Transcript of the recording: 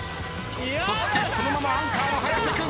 そしてそのままアンカーの早瀬君。